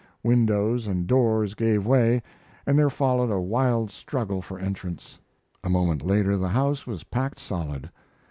Windows and doors gave way, and there followed a wild struggle for entrance. A moment later the house was packed solid.